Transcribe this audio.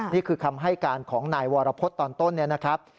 นี่คือคำให้การของนายวรพฤษตอนต้นเนี่ยนะครับ